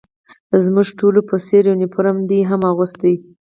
زموږ ټولو په څېر یونیفورم ده هم اغوسته.